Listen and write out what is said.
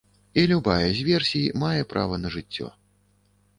І любая з версій мае права на жыццё.